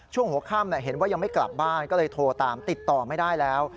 ช่วงหัวค่ำเห็นว่ายังไม่กลับบ้านก็เลยโทรตามติดต่อไม่ได้แล้ว